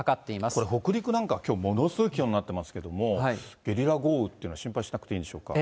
これ、北陸なんかはきょう、ものすごい気温になってますけども、ゲリラ豪雨っていうのは心配しなくていいんでしょうか。